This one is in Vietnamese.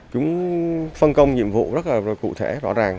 chúng phân công nhiệm vụ rất là cụ thể rõ ràng